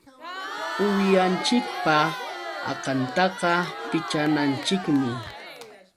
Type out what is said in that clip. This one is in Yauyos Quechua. Uwihanchikpa akantaqa pichananchikmi.